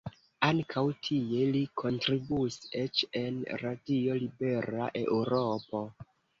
Ankaŭ tie li kontribuis, eĉ en Radio Libera Eŭropo.